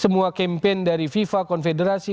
semua campaign dari fifa konfederasi